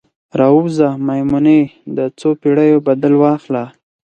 راووځه میمونۍ، د څوپیړیو بدل واخله